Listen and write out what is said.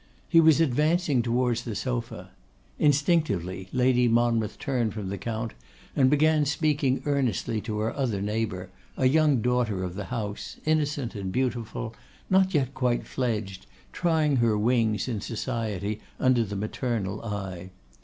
He was advancing towards the sofa. Instinctively, Lady Monmouth turned from the Count, and began speaking earnestly to her other neighbour, a young daughter of the house, innocent and beautiful, not yet quite fledged, trying her wings in society under the maternal eye.